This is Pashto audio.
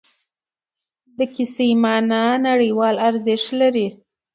د کیسې معنا نړیوال ارزښت لري.